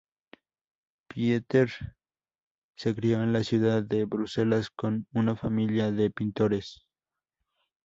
Pieter se crio en la ciudad de Bruselas con una familia de pintores.